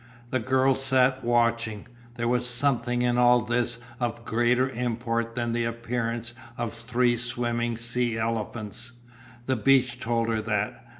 The girl sat watching. There was something in all this of greater import than the appearance of three swimming sea elephants. The beach told her that.